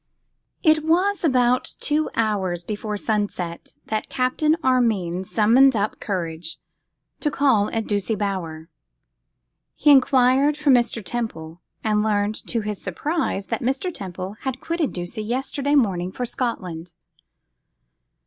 _ IT WAS about two hours before sunset that Captain Armine summoned up courage to call at Ducie Bower. He enquired for Mr. Temple, and learned to his surprise that Mr. Temple had quitted Ducie yesterday morning for Scotland.